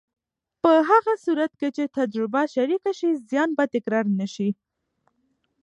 په هغه صورت کې چې تجربه شریکه شي، زیان به تکرار نه شي.